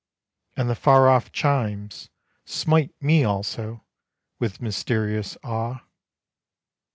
And the far off chimes smite me also With mysterious awe.